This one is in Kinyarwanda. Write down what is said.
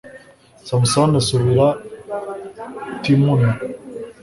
samusoni asubira i timuna